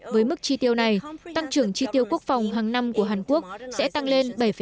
với mức tri tiêu này tăng trưởng tri tiêu quốc phòng hàng năm của hàn quốc sẽ tăng lên bảy năm